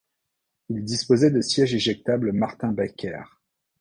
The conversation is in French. Ils disposaient de sièges éjectables Martin-Baker.